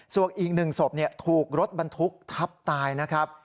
ส่วนอีก๑ศพถูกรถบรรทุกทับตายนะครับ